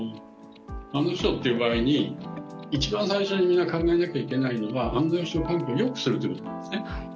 一番最初にみんな考えなきゃいけないのは、安全保障環境をよくするということなんですね。